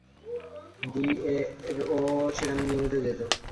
ডিএরও সেখানে নিয়মিত যেত।